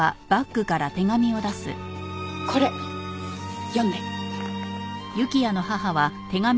これ読んで。